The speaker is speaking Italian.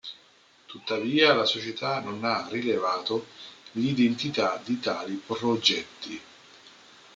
Tuttavia, la società non ha rilevato l'identità di tali progetti.